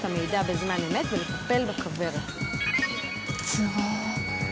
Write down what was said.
すごい。